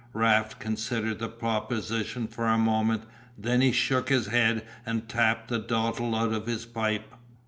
Raft considered the proposition for a moment, then he shook his head and tapped the dottle out of his pipe.